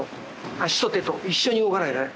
足と手と一緒に動かないと駄目。